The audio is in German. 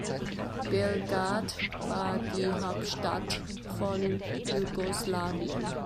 Belgrad war die Hauptstadt von Jugoslawien.